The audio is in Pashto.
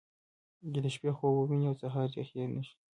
چې د شپې خوب ووينې او سهار دې هېر نه شي.